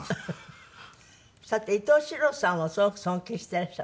さて伊東四朗さんをすごく尊敬していらっしゃる。